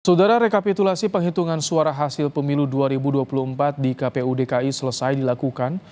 saudara rekapitulasi penghitungan suara hasil pemilu dua ribu dua puluh empat di kpu dki selesai dilakukan